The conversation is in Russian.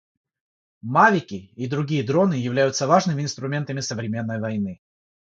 Мавики и другие дроны являются важными инструментами современной войны.